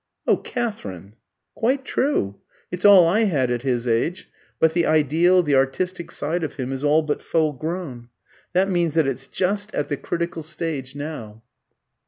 "Oh, Katherine!" "Quite true, it's all I had at his age. But the ideal, the artistic side of him is all but full grown. That means that it's just at the critical stage now."